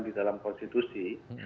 di dalam konstitusi